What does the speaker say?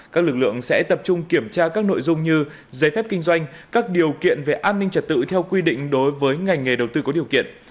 các lực lượng sẽ tập trung kiểm tra các nội dung như giấy phép kinh doanh các điều kiện về an ninh trật tự theo quy định đối với ngành nghề đầu tư có điều kiện